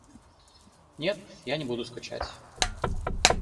Нет, я не буду скучать.